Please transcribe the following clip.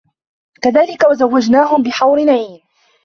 كَذلِكَ وَزَوَّجناهُم بِحورٍ عينٍ